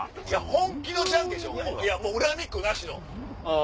本気のジャンケンしよう恨みっこなしの。